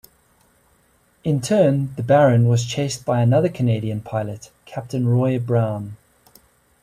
In turn the Baron was chased by another Canadian pilot, Captain Roy Brown.